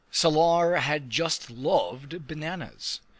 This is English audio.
Salar just loved bananas.